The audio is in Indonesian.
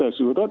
ya bisa surut